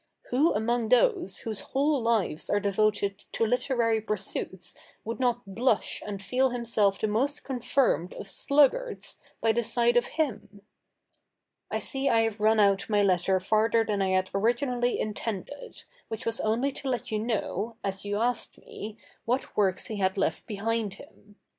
Who among those whose whole lives are devoted to literary pursuits would not blush and feel himself the most confirmed of sluggards by the side of him? I see I have run out my letter farther than I had originally intended, which was only to let you know, as you asked me, what works he had left behind him.